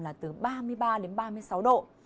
là từ ba mươi ba đến ba mươi sáu độ